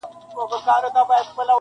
o باد د غوجلې شاوخوا ګرځي او غلی غږ لري,